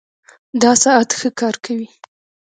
دا ساعت ښه کار کوي